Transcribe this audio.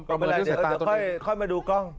ก็เมื่อไหร่เดี๋ยวค่อยมาดูกล้อง